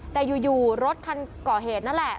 แต่อยู่รถคันก่อเหตุนั่นแหละ